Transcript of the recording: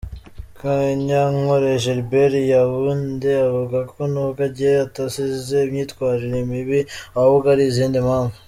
Kanyankore Gilbert Yaounde avuga ko nubwo agiye atazize imyitwarire mibi ahubwo ari izindi mpamvu.